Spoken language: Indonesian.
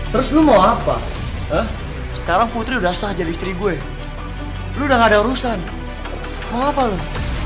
terus lu mau apa sekarang putri udah saja listrik gue udah nggak ada urusan mau apa lu